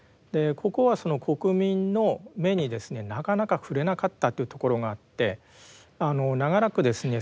ここはその国民の目にですねなかなか触れなかったっていうところがあって長らくですね